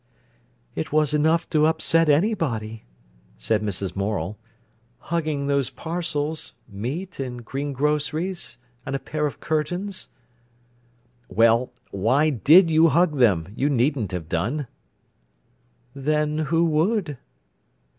"It was enough to upset anybody," said Mrs. Morel, "hugging those parcels—meat, and green groceries, and a pair of curtains—" "Well, why did you hug them; you needn't have done." "Then who would?"